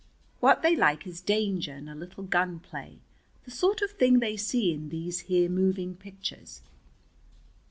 What they like is danger and a little gunplay, the sort of thing they see in these here moving pictures."